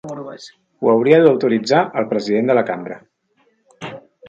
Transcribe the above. Ho hauria d’autoritzar el president de la cambra.